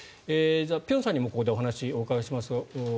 辺さんにもここでお話をお伺いしましょう。